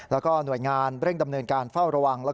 แล้วก็หน่วยงานเร่งดำเนินการเฝ้าระวัง